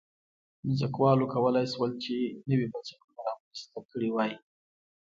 ځمکوالو کولای شول چې نوي بنسټونه رامنځته کړي وای.